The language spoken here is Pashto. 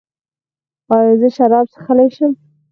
ایا زه شراب څښلی شم؟